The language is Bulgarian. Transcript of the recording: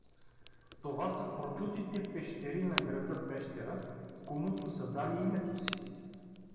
Това са прочутите пещери на града Пещера, комуто са дали името си.